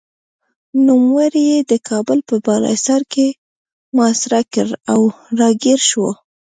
نوموړي یې د کابل په بالاحصار کې محاصره کړ او راګېر شو.